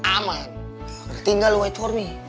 aman tinggal wait for me